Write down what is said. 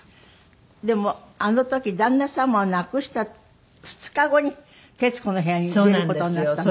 でもあの時旦那様を亡くした２日後に『徹子の部屋』に出る事になった。